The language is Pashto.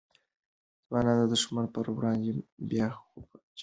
ځوانان د دښمن پر وړاندې بې خوف جګړه کوي.